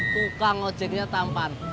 tukang ngojeknya tampan